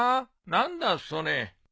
何だそれ。